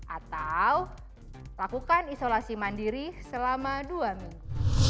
atau lakukan isolasi mandiri selama dua minggu